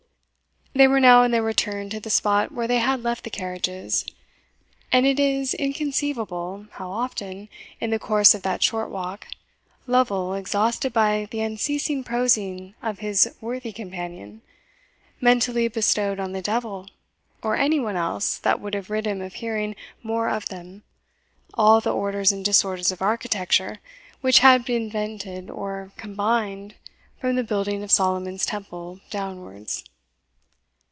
They were now on their return to the spot where they had left the carriages; and it is inconceivable how often, in the course of that short walk, Lovel, exhausted by the unceasing prosing of his worthy companion, mentally bestowed on the devil, or any one else that would have rid him of hearing more of them, all the orders and disorders of architecture which had been invented or combined from the building of Solomon's temple downwards.